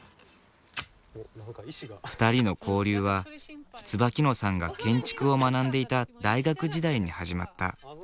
２人の交流は椿野さんが建築を学んでいた大学時代に始まった。